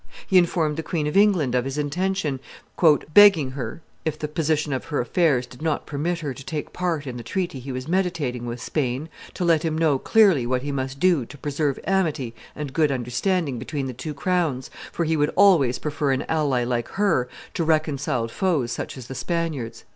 He informed the Queen of England of his intention, "begging her, if the position of her affairs did not permit her to take part in the treaty he was meditating with Spain, to let him know clearly what he must do to preserve amity and good understanding between the two crowns, for he would always prefer an ally like her to reconciled foes such as the Spaniards."